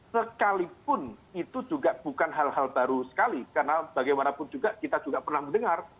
sekalipun itu juga bukan hal hal baru sekali karena bagaimanapun juga kita juga pernah mendengar